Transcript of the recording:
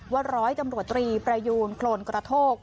ร้อยตำรวจตรีประยูนโครนกระโทก